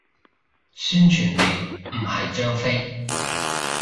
宣傳你，唔係張飛